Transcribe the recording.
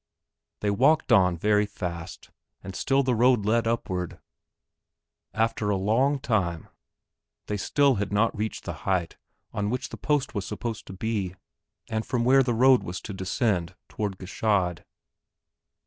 They walked on very fast, and still the road led upward. After a long time they still had not reached the height on which the post was supposed to be, and from where the road was to descend toward Gschaid.